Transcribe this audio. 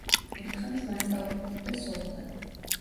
ერთხანს მასწავლებლობდა სოფლად.